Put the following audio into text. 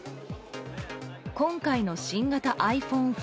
今回の新型ｉＰｈｏｎｅ１４。